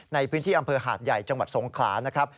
ในพื้นที่อำเภอหาดใหญ่จังหวัดสงขลานะครับ